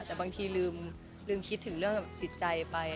แต่บางทีลืมคิดถึงเรื่องจิตใจไป